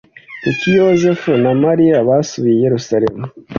Kuki Yozefu na Mariya basubiye i Yerusalemu